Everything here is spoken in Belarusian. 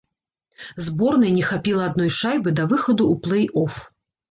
Зборнай не хапіла адной шайбы да выхаду ў плэй-оф.